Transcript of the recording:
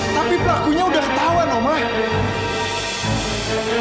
tapi pelakunya sudah ketahuan om mayan